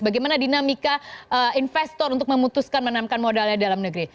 bagaimana dinamika investor untuk memutuskan menanamkan modalnya dalam negeri